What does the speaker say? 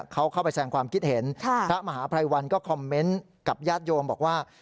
เขาเข้าไปแสงความคิดเห็นพระมหาภัยวันก็คอมเมนต์กับญาติโยมบอกว่า